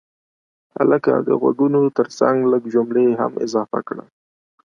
هلکه د غږونو ترڅنګ لږ جملې هم اضافه کړه.